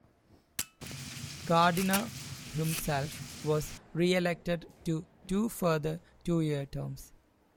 Gardiner himself was re-elected to two further two-year terms.